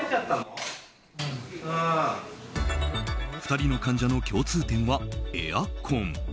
２人の患者の共通点はエアコン。